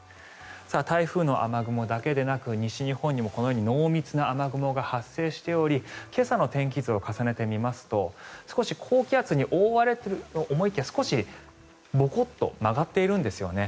台風の雨雲だけでなく西日本にもこのように濃密な雨雲が発生しており今朝の天気図を重ねてみますと少し、高気圧に覆われていると思いきや少しもこっと曲がっているんですよね。